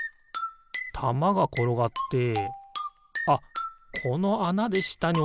たまがころがってあっこのあなでしたにおちるんじゃないかな？